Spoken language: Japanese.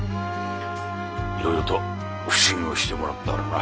いろいろと普請をしてもらったからな。